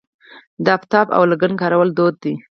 د افتابه او لګن کارول دود دی.